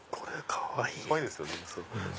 かわいいですよね。